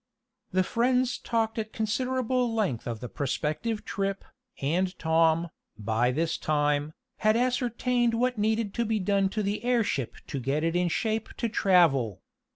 The friends talked at considerable length of the prospective trip, and Tom, by this time, had ascertained what needed to be done to the airship to get it in shape to travel.